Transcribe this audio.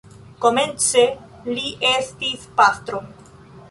Komence li estis pastro.